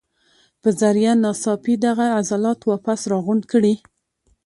پۀ ذريعه ناڅاپي دغه عضلات واپس راغونډ کړي